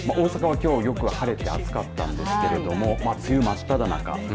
きょうよく晴れて暑かったんですけれども梅雨まっただ中。